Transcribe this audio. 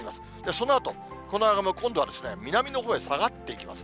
そのあと、この雨雲、今度は南のほうへ下がっていきます。